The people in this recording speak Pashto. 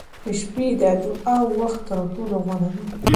• د شپې د دعا وخت تر ټولو غوره دی.